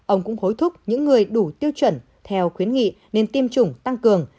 ông cũng hối thúc những người đủ tiêu chuẩn theo khuyến nghị nên tiêm chủng tăng cường